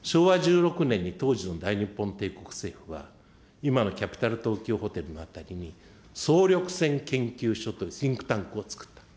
昭和１６年に当時の大日本帝国政府は、今のキャピタル東急ホテルの辺りに、総力戦研究所というシンクタンクを作った。